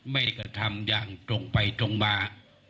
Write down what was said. กระทำอย่างตรงไปตรงมา